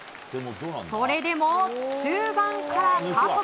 それでも中盤から加速。